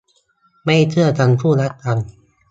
ไม่เชื่อทั้งคู่ละกัน